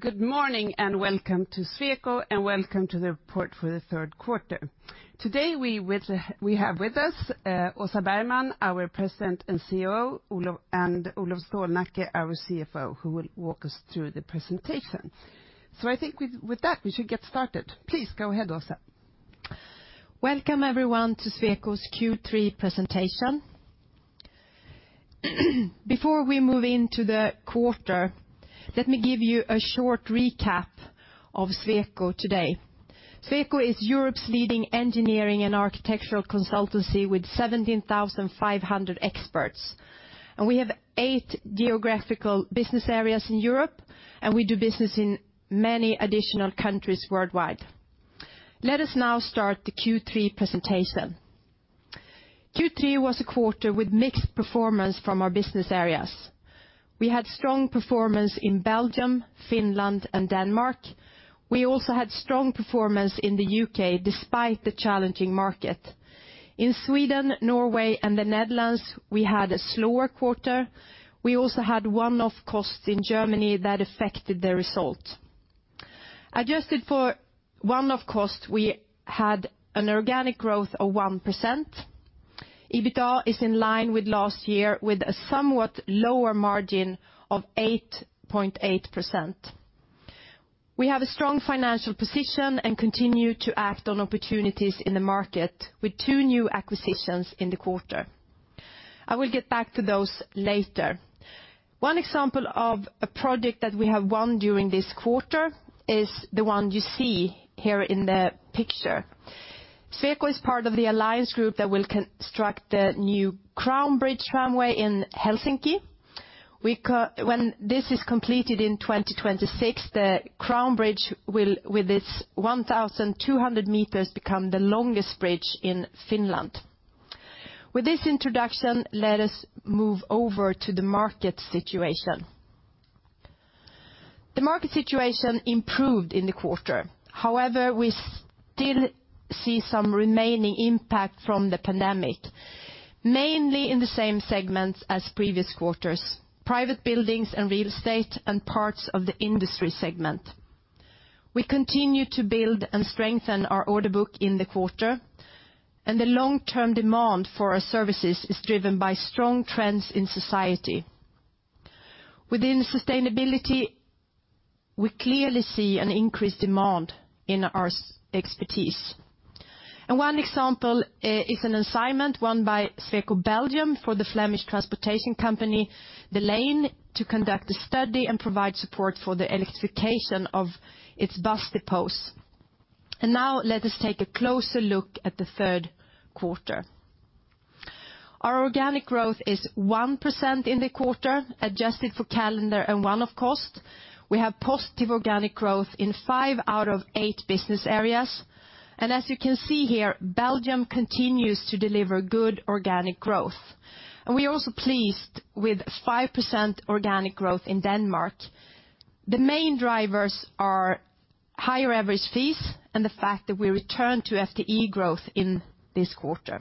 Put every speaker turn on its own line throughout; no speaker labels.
Good morning and welcome to Sweco, and welcome to the report for the third quarter. Today we have with us Åsa Bergman, our President and CEO, Olof, and Olof Stålnacke, our CFO, who will walk us through the presentation. I think with that, we should get started. Please go ahead, Åsa.
Welcome, everyone, to Sweco's Q3 presentation. Before we move into the quarter, let me give you a short recap of Sweco today. Sweco is Europe's leading engineering and architectural consultancy with 17,500 experts, and we have eight geographical business areas in Europe, and we do business in many additional countries worldwide. Let us now start the Q3 presentation. Q3 was a quarter with mixed performance from our business areas. We had strong performance in Belgium, Finland, and Denmark. We also had strong performance in the U.K. despite the challenging market. In Sweden, Norway, and the Netherlands, we had a slower quarter. We also had one-off costs in Germany that affected the result. Adjusted for one-off costs, we had an organic growth of 1%. EBITDA is in line with last year with a somewhat lower margin of 8.8%. We have a strong financial position and continue to act on opportunities in the market with two new acquisitions in the quarter. I will get back to those later. One example of a project that we have won during this quarter is the one you see here in the picture. Sweco is part of the alliance group that will construct the new Crown Bridges Tramway in Helsinki. When this is completed in 2026, the Crown Bridges will, with its 1,200 meters, become the longest bridge in Finland. With this introduction, let us move over to the market situation. The market situation improved in the quarter. However, we still see some remaining impact from the pandemic, mainly in the same segments as previous quarters, private buildings and real estate, and parts of the industry segment. We continue to build and strengthen our order book in the quarter, and the long-term demand for our services is driven by strong trends in society. Within sustainability, we clearly see an increased demand in our sustainability expertise. One example is an assignment won by Sweco Belgium for the Flemish transportation company De Lijn to conduct a study and provide support for the electrification of its bus depots. Now let us take a closer look at the third quarter. Our organic growth is 1% in the quarter, adjusted for calendar and one-off cost. We have positive organic growth in five out of eight business areas. As you can see here, Belgium continues to deliver good organic growth. We are also pleased with 5% organic growth in Denmark. The main drivers are higher average fees and the fact that we returned to FTE growth in this quarter.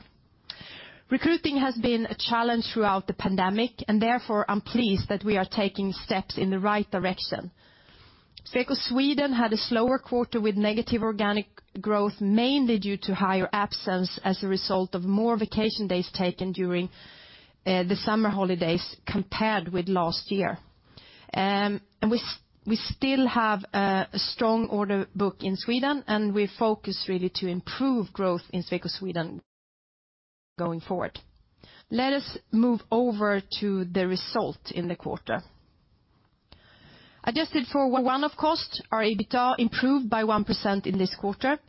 Recruiting has been a challenge throughout the pandemic, and therefore I'm pleased that we are taking steps in the right direction. Sweco Sweden had a slower quarter with negative organic growth, mainly due to higher absence as a result of more vacation days taken during the summer holidays compared with last year. We still have a strong order book in Sweden, and we focus really to improve growth in Sweco Sweden going forward. Let us move over to the result in the quarter. Adjusted for one-off cost, our EBITDA improved by 1% in this quarter.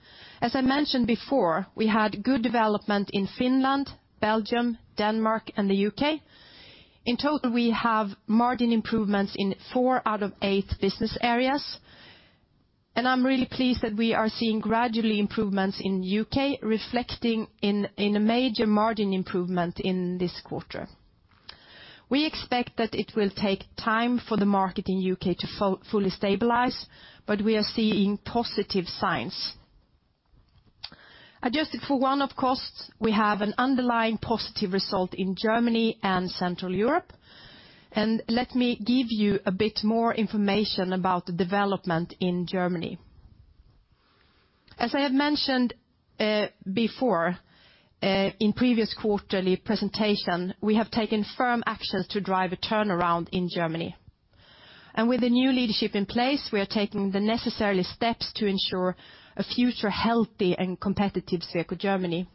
As I mentioned before, we had good development in Finland, Belgium, Denmark, and the U.K. In total, we have margin improvements in four out of eight business areas. I'm really pleased that we are seeing gradually improvements in U.K., reflecting in a major margin improvement in this quarter. We expect that it will take time for the market in U.K. to fully stabilize, but we are seeing positive signs. Adjusted for one-off costs, we have an underlying positive result in Germany and Central Europe. Let me give you a bit more information about the development in Germany. As I have mentioned before, in previous quarterly presentation, we have taken firm actions to drive a turnaround in Germany. With the new leadership in place, we are taking the necessary steps to ensure a future healthy and competitive Sweco Germany.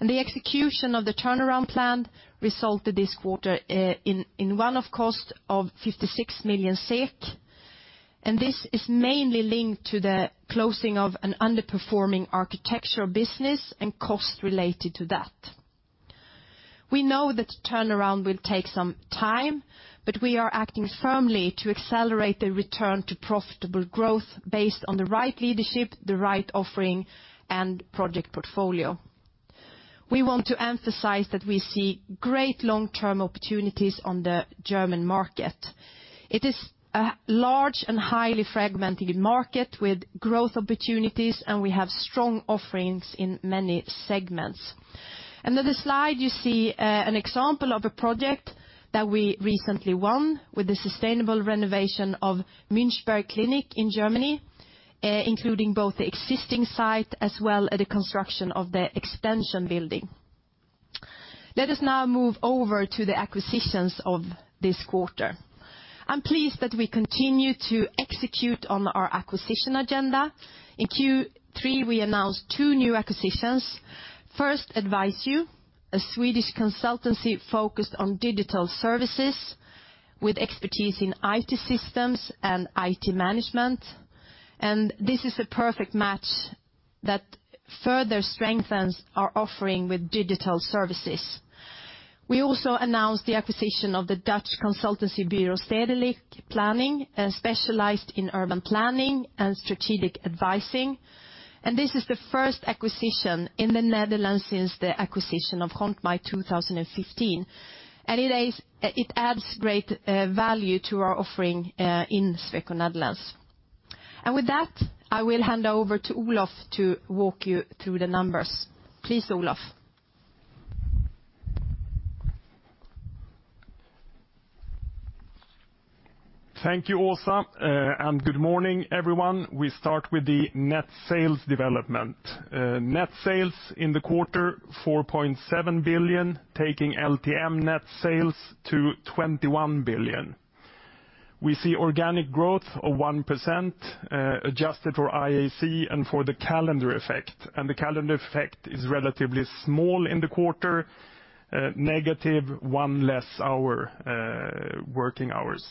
The execution of the turnaround plan resulted this quarter in one-off cost of 56 million SEK, and this is mainly linked to the closing of an underperforming architectural business and costs related to that. We know that the turnaround will take some time, but we are acting firmly to accelerate the return to profitable growth based on the right leadership, the right offering, and project portfolio. We want to emphasize that we see great long-term opportunities on the German market. It is a large and highly fragmented market with growth opportunities, and we have strong offerings in many segments. Under the slide, you see an example of a project that we recently won with the sustainable renovation of Klinik Münchberg in Germany, including both the existing site as well as the construction of the extension building. Let us now move over to the acquisitions of this quarter. I'm pleased that we continue to execute on our acquisition agenda. In Q3, we announced two new acquisitions. First, AdviceU, a Swedish consultancy focused on digital services with expertise in IT systems and IT management. This is a perfect match that further strengthens our offering with digital services. We also announced the acquisition of the Dutch consultancy Bureau Stedelijke Planning, specialized in urban planning and strategic advising. This is the first acquisition in the Netherlands since the acquisition of Grontmij 2015. It adds great value to our offering in Sweco Netherlands. With that, I will hand over to Olof to walk you through the numbers. Please, Olof.
Thank you, Åsa, and good morning, everyone. We start with the net sales development. Net sales in the quarter, 4.7 billion, taking LTM net sales to 21 billion. We see organic growth of 1%, adjusted for IAC and for the calendar effect, and the calendar effect is relatively small in the quarter, negative, one less hour working hours.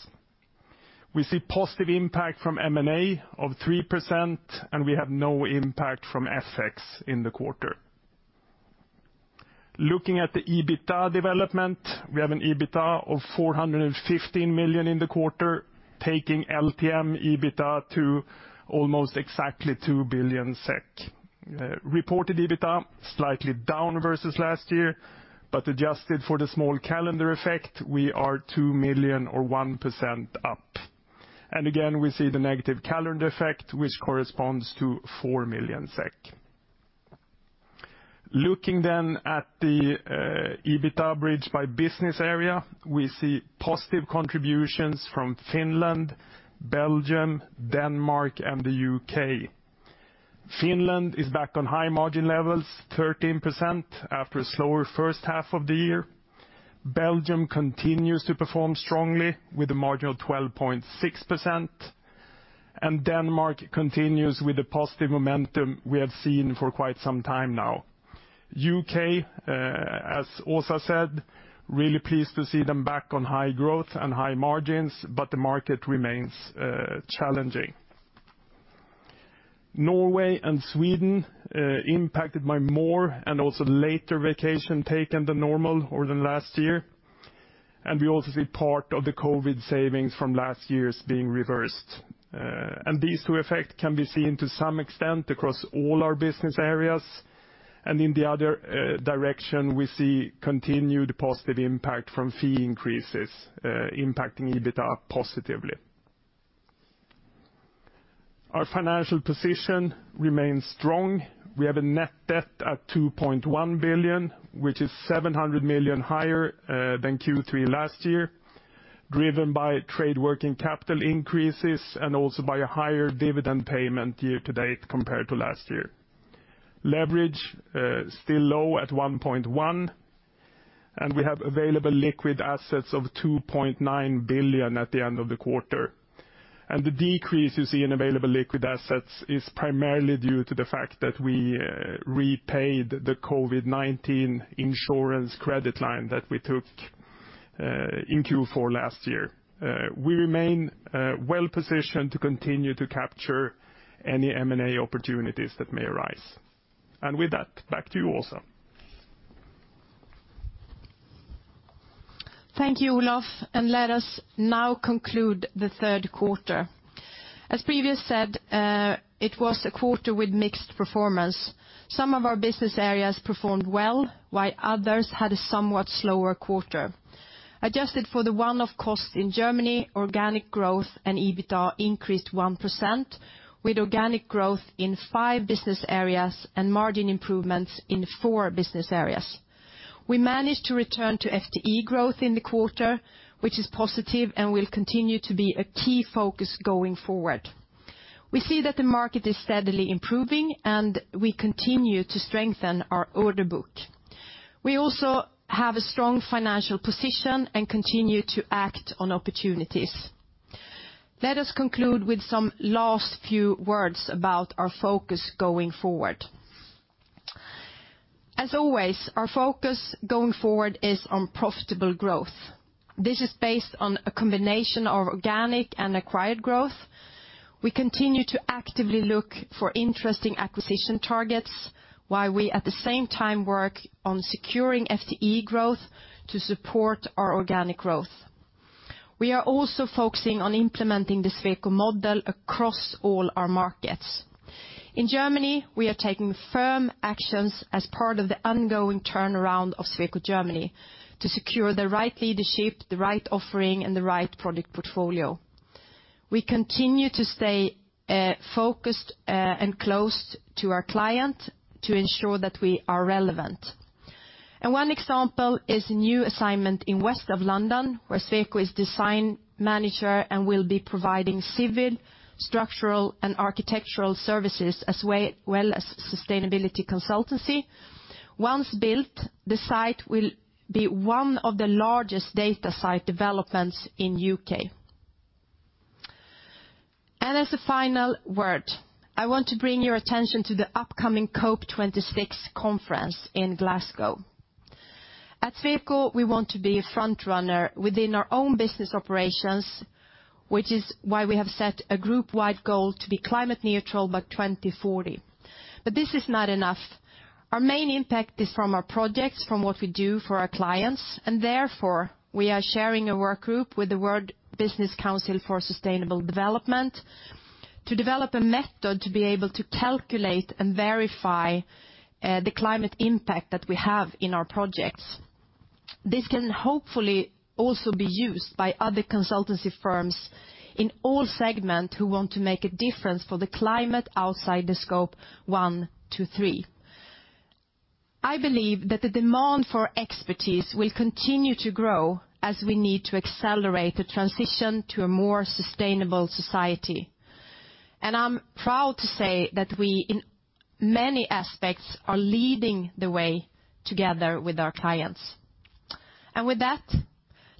We see positive impact from M&A of 3%, and we have no impact from FX in the quarter. Looking at the EBITDA development, we have an EBITDA of 415 million in the quarter, taking LTM EBITDA to almost exactly 2 billion SEK. Reported EBITDA, slightly down versus last year, but adjusted for the small calendar effect, we are two million or 1% up. Again, we see the negative calendar effect which corresponds to 2 million SEK. Looking then at the EBITDA bridge by business area, we see positive contributions from Finland, Belgium, Denmark, and the U.K. Finland is back on high margin levels, 13% after a slower first half of the year. Belgium continues to perform strongly with a margin of 12.6%. Denmark continues with the positive momentum we have seen for quite some time now. U.K., as Åsa said, really pleased to see them back on high growth and high margins, but the market remains challenging. Norway and Sweden impacted by more and also later vacation taken than normal or than last year. We also see part of the COVID savings from last year's being reversed. These two effects can be seen to some extent across all our business areas. In the other direction, we see continued positive impact from fee increases, impacting EBITDA positively. Our financial position remains strong. We have a net debt of 2.1 billion, which is 700 million higher than Q3 last year, driven by trade working capital increases and also by a higher dividend payment year to date compared to last year. Leverage still low at 1.1, and we have available liquid assets of 2.9 billion at the end of the quarter. The decrease you see in available liquid assets is primarily due to the fact that we repaid the COVID-19 insurance credit line that we took in Q4 last year. We remain well-positioned to continue to capture any M&A opportunities that may arise. With that, back to you, Åsa.
Thank you, Olof, and let us now conclude the third quarter. As previously said, it was a quarter with mixed performance. Some of our business areas performed well, while others had a somewhat slower quarter. Adjusted for the one-off costs in Germany, organic growth and EBITDA increased 1%, with organic growth in five business areas and margin improvements in four business areas. We managed to return to FTE growth in the quarter, which is positive and will continue to be a key focus going forward. We see that the market is steadily improving, and we continue to strengthen our order book. We also have a strong financial position and continue to act on opportunities. Let us conclude with some last few words about our focus going forward. As always, our focus going forward is on profitable growth. This is based on a combination of organic and acquired growth. We continue to actively look for interesting acquisition targets while we, at the same time, work on securing FTE growth to support our organic growth. We are also focusing on implementing the Sweco Model across all our markets. In Germany, we are taking firm actions as part of the ongoing turnaround of Sweco Germany to secure the right leadership, the right offering, and the right product portfolio. We continue to stay focused and close to our client to ensure that we are relevant. One example is a new assignment in west of London, where Sweco is design manager and will be providing civil, structural, and architectural services, as well as sustainability consultancy. Once built, the site will be one of the largest data site developments in U.K. As a final word, I want to bring your attention to the upcoming COP26 conference in Glasgow. At Sweco, we want to be a front-runner within our own business operations, which is why we have set a group-wide goal to be climate neutral by 2040. This is not enough. Our main impact is from our projects, from what we do for our clients, and therefore we are sharing a workgroup with the World Business Council for Sustainable Development to develop a method to be able to calculate and verify the climate impact that we have in our projects. This can hopefully also be used by other consultancy firms in all segment who want to make a difference for the climate outside the scope 1 to 3. I believe that the demand for expertise will continue to grow as we need to accelerate the transition to a more sustainable society. I'm proud to say that we, in many aspects, are leading the way together with our clients. With that,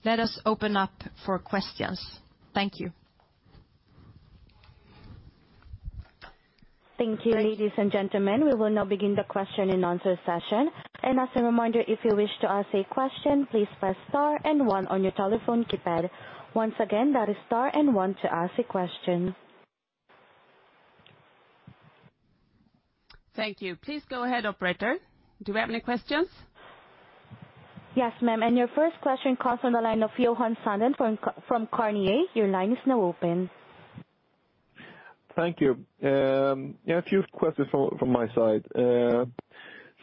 let us open up for questions. Thank you.
Thank you. Ladies and gentlemen, we will now begin the question and answer session. As a reminder, if you wish to ask a question, please press star and one on your telephone keypad. Once again, that is star and one to ask a question.
Thank you. Please go ahead, operator. Do we have any questions?
Yes, ma'am. Your first question comes on the line of Johan Sundén from Carnegie. Your line is now open.
Thank you. Yeah, a few questions from my side.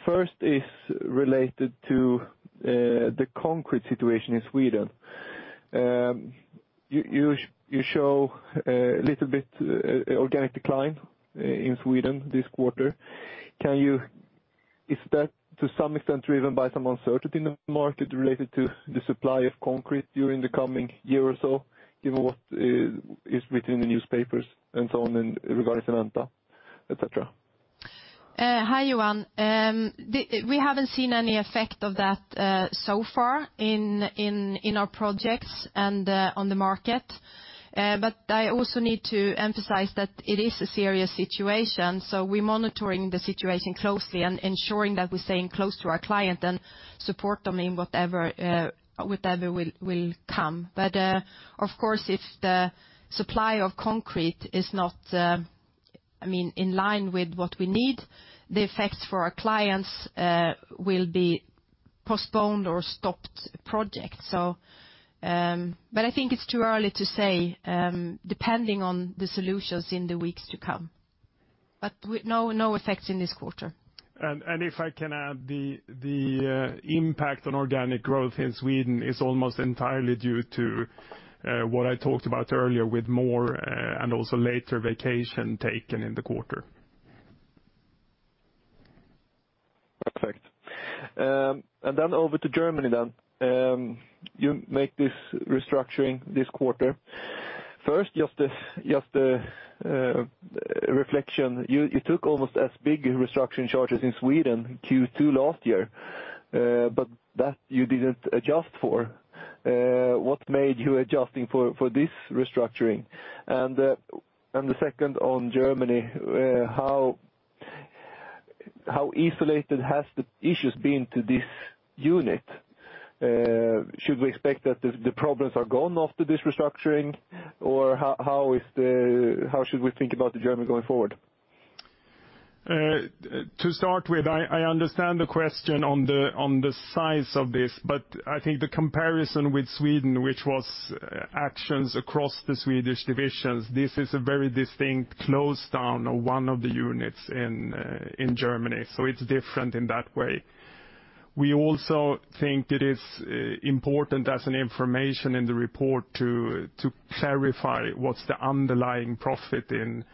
First is related to the concrete situation in Sweden. You show a little bit organic decline in Sweden this quarter. Is that to some extent driven by some uncertainty in the market related to the supply of concrete during the coming year or so, given what is read in the newspapers and so on regarding Cementa, et cetera?
Hi, Johan. We haven't seen any effect of that so far in our projects and on the market. I also need to emphasize that it is a serious situation, so we're monitoring the situation closely and ensuring that we're staying close to our client and support them in whatever will come. Of course, if the supply of concrete is not, I mean, in line with what we need, the effects for our clients will be postponed or stopped project. I think it's too early to say, depending on the solutions in the weeks to come. No effects in this quarter.
If I can add, the impact on organic growth in Sweden is almost entirely due to what I talked about earlier with more and also later vacation taken in the quarter.
Perfect. Over to Germany. You make this restructuring this quarter. First, just a reflection. You took almost as big restructuring charges in Sweden Q2 last year, but that you didn't adjust for. What made you adjusting for this restructuring? The second on Germany, how isolated has the issues been to this unit? Should we expect that the problems are gone after this restructuring, or how should we think about Germany going forward?
To start with, I understand the question on the size of this, but I think the comparison with Sweden, which was actions across the Swedish divisions, this is a very distinct closedown of one of the units in Germany, so it's different in that way. We also think it is important as an information in the report to clarify what's the underlying profit in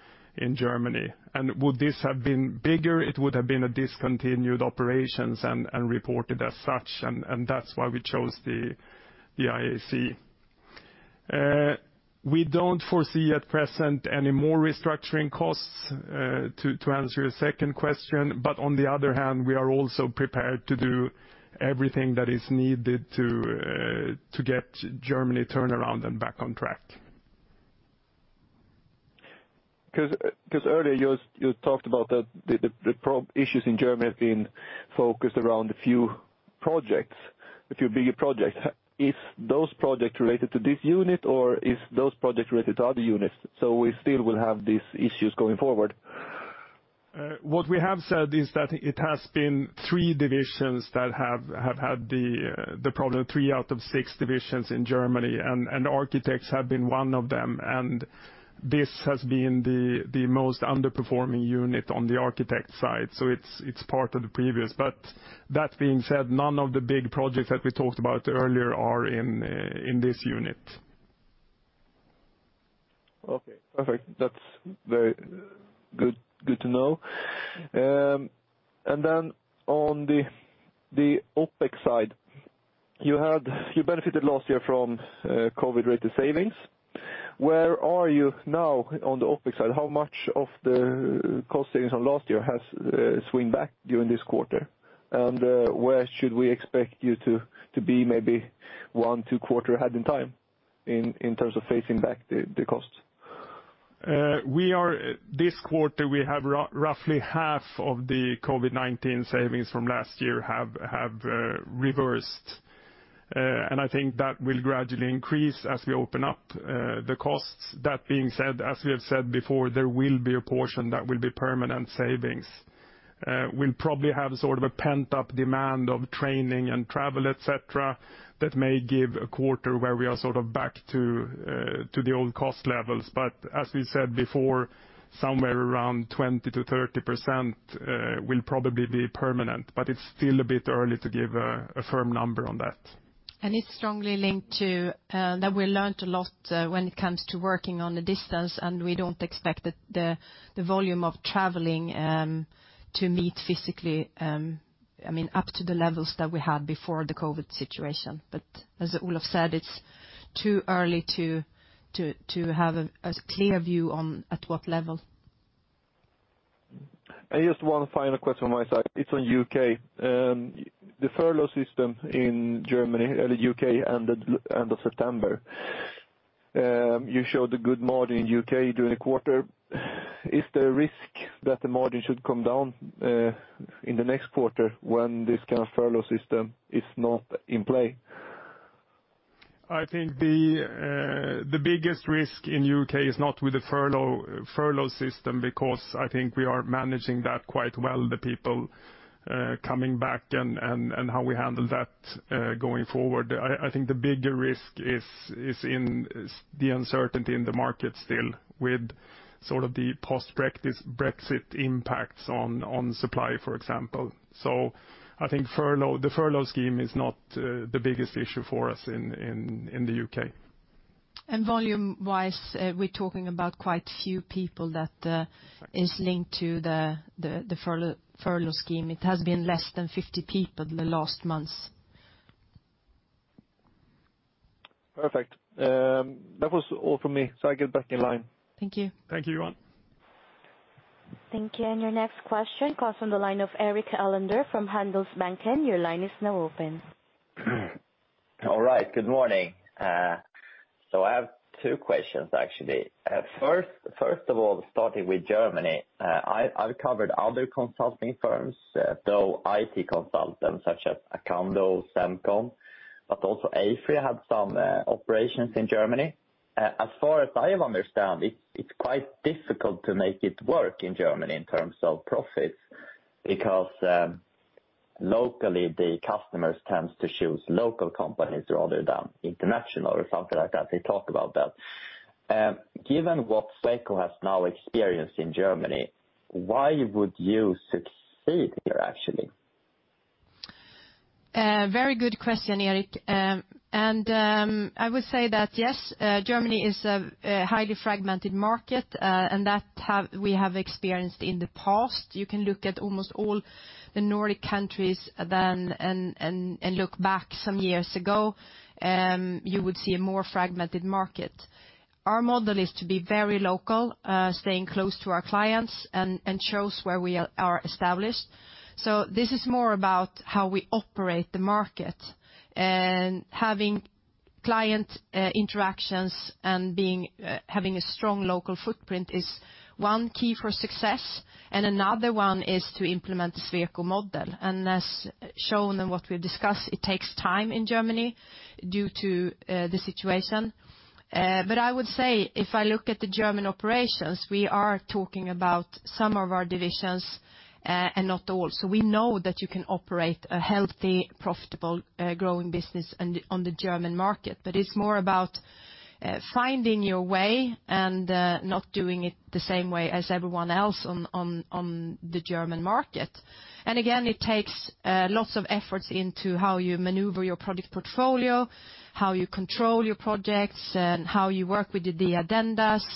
Germany. Would this have been bigger, it would have been a discontinued operations and reported as such. That's why we chose the IAC. We don't foresee at present any more restructuring costs to answer your second question. But on the other hand, we are also prepared to do everything that is needed to get Germany turned around and back on track.
Cause earlier you talked about the issues in Germany have been focused around a few projects, a few bigger projects. Is those projects related to this unit or is those projects related to other units? We still will have these issues going forward.
What we have said is that it has been three divisions that have had the problem, three out of six divisions in Germany, and architects have been one of them. This has been the most underperforming unit on the architect side. It's part of the previous. That being said, none of the big projects that we talked about earlier are in this unit.
Okay, perfect. That's very good to know. On the OpEx side, you benefited last year from COVID-related savings. Where are you now on the OpEx side? How much of the cost savings from last year has swung back during this quarter? Where should we expect you to be maybe one, two quarter ahead in time in terms of phasing back the costs?
This quarter, we have roughly half of the COVID-19 savings from last year have reversed. I think that will gradually increase as we open up the costs. That being said, as we have said before, there will be a portion that will be permanent savings. We'll probably have sort of a pent-up demand of training and travel, et cetera, that may give a quarter where we are sort of back to the old cost levels. As we said before, somewhere around 20%-30% will probably be permanent, but it's still a bit early to give a firm number on that.
It's strongly linked to that we learned a lot when it comes to working at a distance, and we don't expect the volume of traveling to meet physically, I mean, up to the levels that we had before the COVID situation. As Olof said, it's too early to have a clear view on at what level.
Just one final question from my side. It's on U.K. The furlough system in Germany, or the U.K., ended end of September. You showed a good margin in U.K. during the quarter. Is there a risk that the margin should come down in the next quarter when this kind of furlough system is not in play?
I think the biggest risk in U.K. is not with the furlough system, because I think we are managing that quite well, the people coming back and how we handle that going forward. I think the bigger risk is in the uncertainty in the market still with sort of the post-Brexit impacts on supply, for example. I think the furlough scheme is not the biggest issue for us in the U.K.
Volume-wise, we're talking about quite few people that is linked to the furlough scheme. It has been less than 50 people in the last months.
Perfect. That was all from me, so I get back in line.
Thank you.
Thank you, Johan.
Thank you. Your next question comes from the line of Erik Elander from Handelsbanken. Your line is now open.
All right. Good morning. So I have two questions, actually. First of all, starting with Germany, I've covered other consulting firms, those IT consultants such as Acando, Semcon, but also AFRY had some operations in Germany. As far as I understand, it's quite difficult to make it work in Germany in terms of profits because locally the customers tend to choose local companies rather than international or something like that. They talk about that. Given what Sweco has now experienced in Germany, why would you succeed here, actually?
Very good question, Erik. I would say that yes, Germany is a highly fragmented market, and we have experienced in the past. You can look at almost all the Nordic countries then and look back some years ago, you would see a more fragmented market. Our model is to be very local, staying close to our clients and shows where we are established. This is more about how we operate the market, having client interactions and being having a strong local footprint is one key for success. Another one is to implement the Sweco Model. As shown in what we discussed, it takes time in Germany due to the situation. I would say if I look at the German operations, we are talking about some of our divisions, and not all. We know that you can operate a healthy, profitable, growing business on the German market. It's more about finding your way and not doing it the same way as everyone else on the German market. Again, it takes lots of efforts into how you maneuver your product portfolio, how you control your projects, and how you work with the add-ons,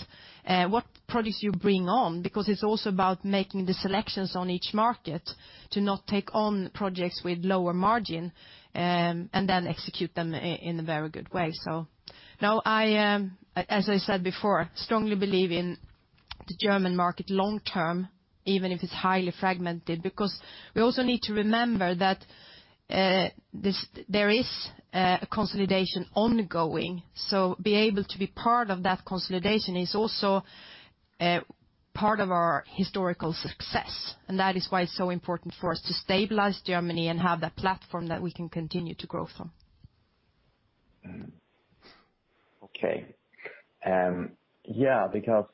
what products you bring on, because it's also about making the selections on each market to not take on projects with lower margin, and then execute them in a very good way. Now I, as I said before, strongly believe in the German market long term, even if it's highly fragmented, because we also need to remember that there is a consolidation ongoing. Being able to be part of that consolidation is also part of our historical success. That is why it's so important for us to stabilize Germany and have that platform that we can continue to grow from.
Okay. Yeah, because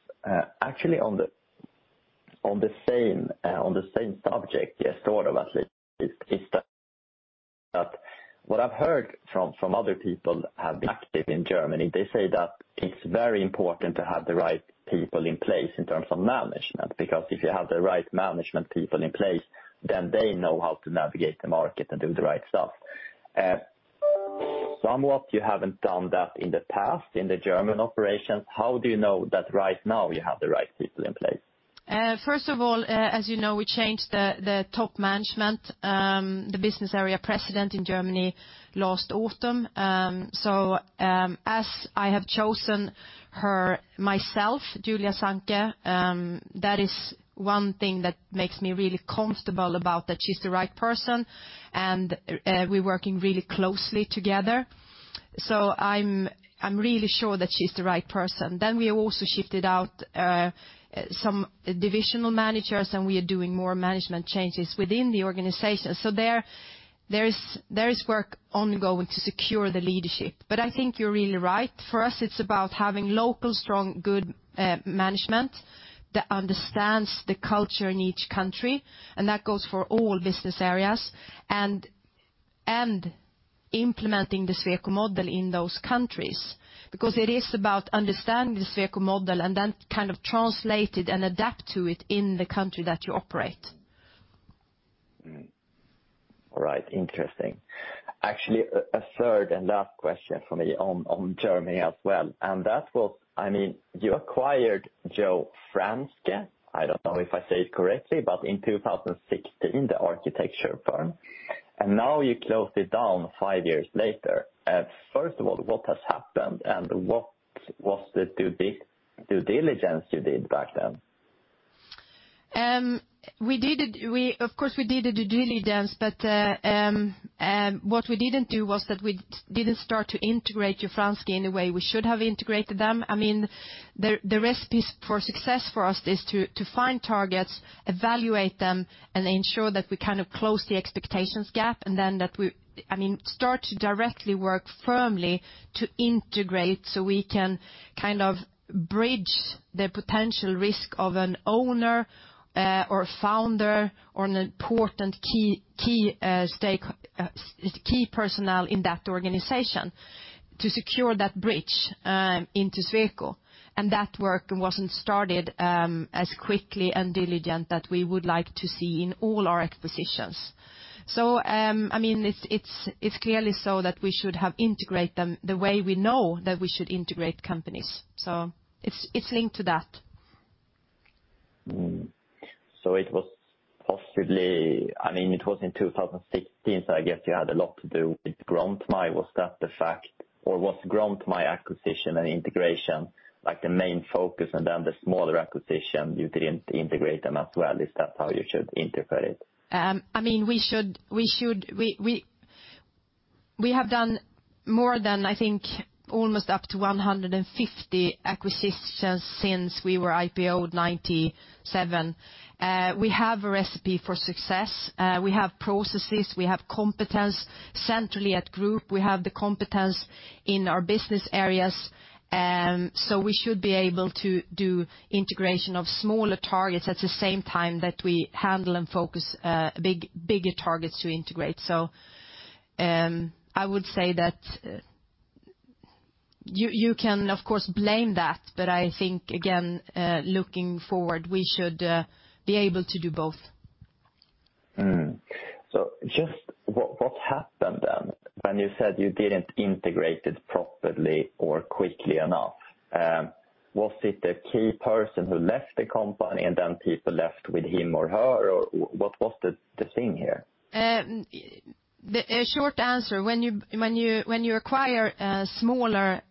actually on the same subject, yes, sort of at least is that what I've heard from other people who have been active in Germany, they say that it's very important to have the right people in place in terms of management. Because if you have the right management people in place, then they know how to navigate the market and do the right stuff. Somehow you haven't done that in the past, in the German operations. How do you know that right now you have the right people in place?
First of all, as you know, we changed the top management, the Business Area President in Germany last autumn. As I have chosen her myself, Julia Zantke, that is one thing that makes me really comfortable about that she's the right person, and we're working really closely together. I'm really sure that she's the right person. We also shifted out some divisional managers, and we are doing more management changes within the organization. There is work ongoing to secure the leadership. I think you're really right. For us, it's about having local, strong, good management that understands the culture in each country, and that goes for all business areas. implementing the Sweco Model in those countries because it is about understanding the Sweco Model and then kind of translate it and adapt to it in the country that you operate.
All right. Interesting. Actually, a third and last question for me on Germany as well, and that was I mean, you acquired Jo. Franzke, I don't know if I say it correctly, but in 2016, the architecture firm, and now you closed it down five years later. First of all, what has happened, and what was the due diligence you did back then?
We, of course, did a due diligence, but what we didn't do was that we didn't start to integrate Jo. Franzke in the way we should have integrated them. I mean, the recipes for success for us is to find targets, evaluate them, and ensure that we kind of close the expectations gap, and then that we, I mean, start to directly work firmly to integrate so we can kind of bridge the potential risk of an owner or a founder or an important key stakeholder personnel in that organization to secure that bridge into Sweco. That work wasn't started as quickly and diligently that we would like to see in all our acquisitions. I mean, it's clearly so that we should have integrate them the way we know that we should integrate companies. It's linked to that.
It was in 2016, so I guess you had a lot to do with Grontmij. Was that the fact? Or was Grontmij acquisition and integration, like, the main focus and then the smaller acquisition, you didn't integrate them as well? Is that how you should interpret it?
I mean, we have done more than, I think, almost up to 150 acquisitions since we were IPO'd 1997. We have a recipe for success. We have processes, we have competence centrally at group, we have the competence in our business areas. We should be able to do integration of smaller targets at the same time that we handle and focus, bigger targets to integrate. I would say that you can of course blame that, but I think again, looking forward, we should be able to do both.
Just what happened then? When you said you didn't integrate it properly or quickly enough, was it a key person who left the company and then people left with him or her? Or what's the thing here?
A short answer. When you acquire smaller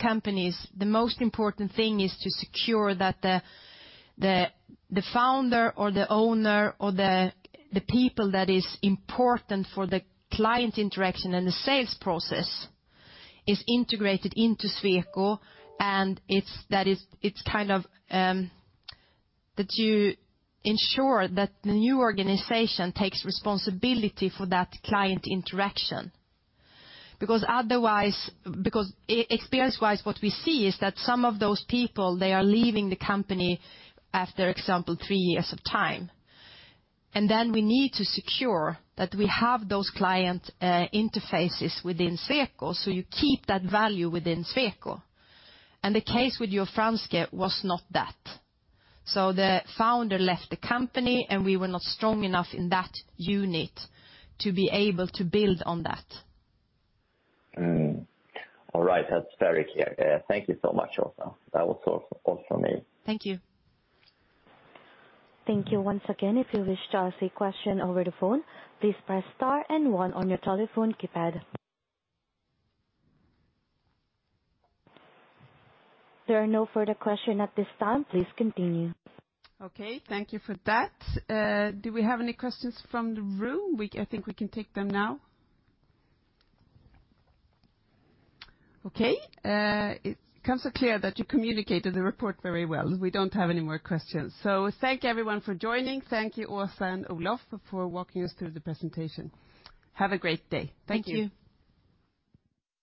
companies, the most important thing is to secure that the founder or the owner or the people that is important for the client interaction and the sales process is integrated into Sweco. That is, it's kind of that you ensure that the new organization takes responsibility for that client interaction. Because otherwise, because experience-wise, what we see is that some of those people, they are leaving the company after, for example, three years of time. Then we need to secure that we have those client interfaces within Sweco, so you keep that value within Sweco. The case with Jo. Franzke was not that. The founder left the company, and we were not strong enough in that unit to be able to build on that.
All right. That's very clear. Thank you so much, Åsa. That was all from me.
Thank you.
Thank you once again. If you wish to ask a question over the phone, please press star and one on your telephone keypad. There are no further question at this time. Please continue.
Okay. Thank you for that. Do we have any questions from the room? I think we can take them now. Okay. It comes clear that you communicated the report very well. We don't have any more questions. Thank you everyone for joining. Thank you, Åsa and Olof, for walking us through the presentation. Have a great day. Thank you.
Thank you.